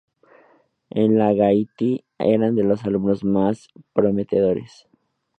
En la Gaiety era de los alumnos más prometedores.